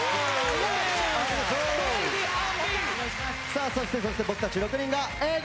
さあそしてそして僕たち６人がＡぇ！